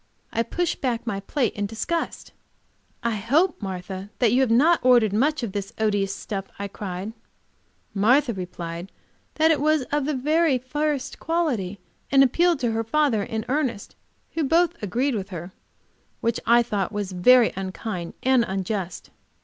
I pushed back my plate in disgust. "I hope, Martha, that you have not ordered much of this odious stuff!" I cried. Martha replied that it was of the very first quality, and appealed to her father and Ernest, who both agreed with her, which I thought very unkind and unjust.